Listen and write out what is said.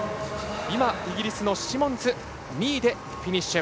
イギリスのシモンズ２位でフィニッシュ。